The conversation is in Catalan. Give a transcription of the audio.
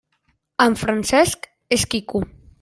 En Francesc és quico.